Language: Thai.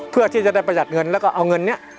เพื่อที่จะได้ประหยัดเงินแล้วก็เอาเงินนี้